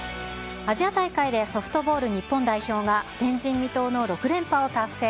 アジア大会で、ソフトボール日本代表が、前人未到の６連覇を達成。